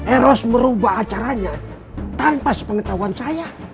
eros merubah acaranya tanpa sepengetahuan saya